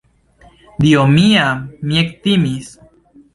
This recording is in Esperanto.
Dio mia!, mi ektimis!